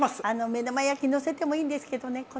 あの目玉焼きのせてもいいんですけどね